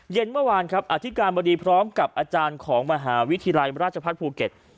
เย็นเมื่อวานครับอธิการบดีพร้อมกับอาจารย์ของมหาวิทยาลัยราชพัฒน์ภูเก็ต